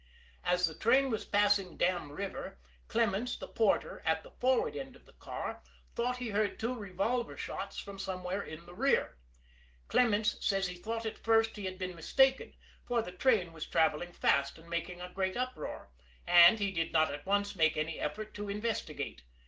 As the train was passing Dam River, Clements, the porter, at the forward end of the car, thought he heard two revolver shots from somewhere in the rear. Clements says he thought at first he had been mistaken, for the train was travelling fast and making a great uproar, and he did not at once make any effort to investigate.